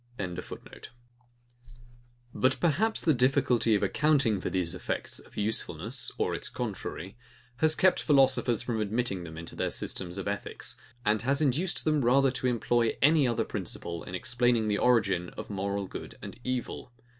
] But perhaps the difficulty of accounting for these effects of usefulness, or its contrary, has kept philosophers from admitting them into their systems of ethics, and has induced them rather to employ any other principle, in explaining the origin of moral good and evil.